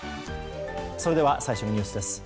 それでは最初のニュースです。